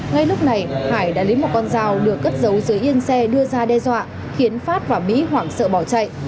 ngay lúc này hải đã lấy một con dao được cất giấu dưới yên xe đưa ra đe dọa khiến phát và mỹ hoảng sợ bỏ chạy